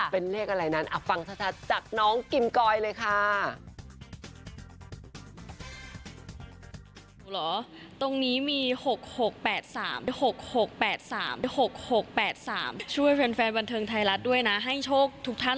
เป็นเลขอะไรนั้นฟังชัดจากน้องกิมกอยเลยค่ะ